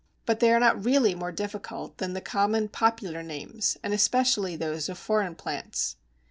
But they are not really more difficult than the common popular names, and especially those of foreign plants.